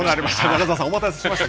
中澤さん、お待たせしました。